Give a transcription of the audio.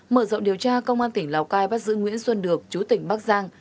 mở rộng điều tra công an tỉnh lào cai bắt giữ nguyễn xuân được chú tỉnh bắc giang